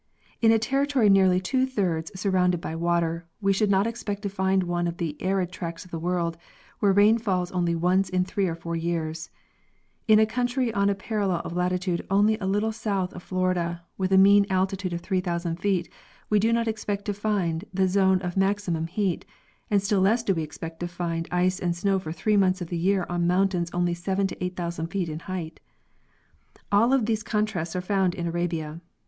In a territory nearly two thirds surrounded by water we should not expect to find one of the arid tracts of the world, where rain falls only once in three or four years; ina country on a parallel of latitude only a little south of Florida, with a mean altitude of 3,000 feet, we do not expect to find the zone of maximum heat, and still less do we expect to find ice and snow for three months of the year on mountains only 7,000 to 8,000 feet in height. All of these con trasts are found in Arabia.